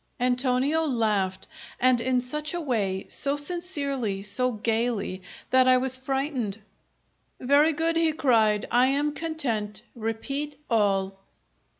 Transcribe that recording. Antonio laughed, and in such a way, so sincerely, so gaily, that I was frightened. "Very good!" he cried. "I am content. Repeat all."